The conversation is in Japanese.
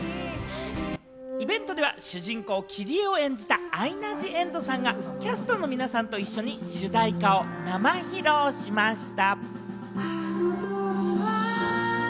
イベントでは主人公・キリエを演じたアイナ・ジ・エンドさんがキャストの皆さんと一緒に、主題歌を生披露しました。